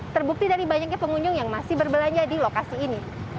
terbukti dari banyaknya pengunjung yang masih berbelanja di lokasi ini